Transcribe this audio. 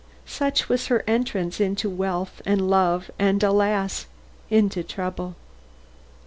Such was her entrance into wealth and love and alas! into trouble.